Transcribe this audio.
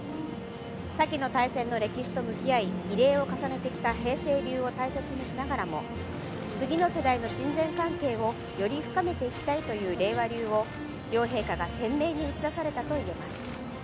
さきの大戦の歴史と向き合い慰霊を重ねてきた平成流を大切にしながらも、次の世代の親善関係をより深めていきたいという令和流を両陛下が鮮明に打ち出されたといえます。